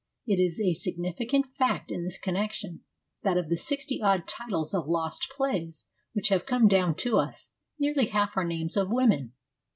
It is a significant fact in this connection that of the sixty odd titles of lost plays which have come down to us, nearly half are names of women.